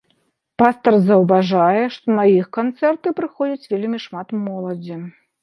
Пастар заўважае, што на іх канцэрты прыходзіць вельмі шмат моладзі.